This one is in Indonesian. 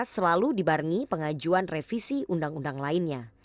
selalu dibarengi pengajuan revisi undang undang lainnya